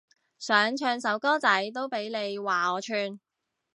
想唱首歌仔都俾你話我串